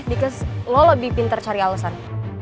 because lo lebih pinter cari alasan